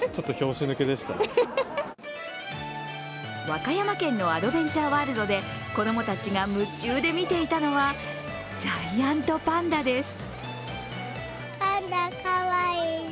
和歌山県のアドベンチャーワールドで子供たちが夢中で見ていたのは、ジャイアントパンダです。